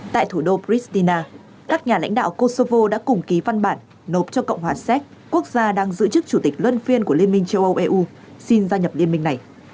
tại thủ đô bristina các nhà lãnh đạo kosovo đã cùng ký văn bản nộp cho cộng hòa séc quốc gia đang giữ chức chủ tịch luân phiên của liên minh châu âu eu xin gia nhập liên minh này